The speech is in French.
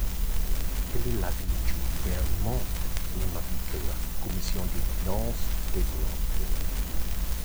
Quel est l’avis du Gouvernement ? Même avis que la commission des finances : défavorable.